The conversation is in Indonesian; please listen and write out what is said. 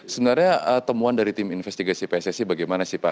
sebenarnya temuan dari tim investigasi pssi bagaimana sih pak